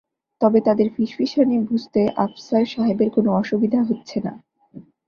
তবে তাদের ফিসফিসানি বুঝতে আফসার সাহেবের কোনো অসুবিধা হচ্ছে না।